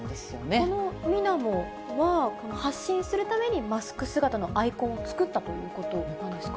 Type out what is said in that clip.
このミナモは、発信するためにマスク姿のアイコンを作ったということなんですか？